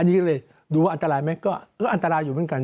อันนี้ก็เลยดูว่าอันตรายไหมก็อันตรายอยู่เหมือนกัน